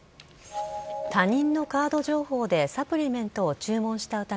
他人のカード情報でサプリメントを注文した